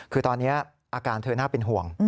คือตอนนี้อาการเธอน่าเป็นห่วง